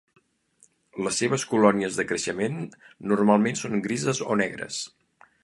Les seves colònies de creixement normalment són grises o negres.